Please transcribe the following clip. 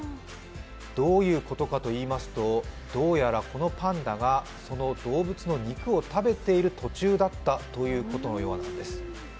どういうことかといいますと、どうやらこのパンダがその動物の肉を食べている途中だったということのようなんです。